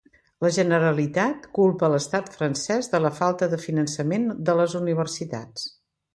La Generalitat culpa l'estat francès de la falta de finançament de les universitats.